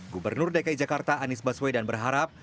gubernur dki jakarta anies baswedan berharap